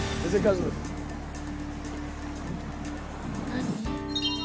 何？